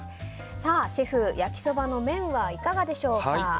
シェフ、焼きそばの麺はいかがでしょうか。